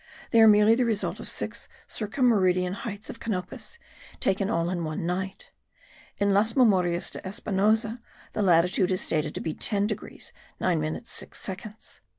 They are merely the result of six circum meridian heights of Canopus, taken all in one night. In Las Memorias de Espinosa the latitude is stated to be 10 degrees 9 minutes 6 seconds.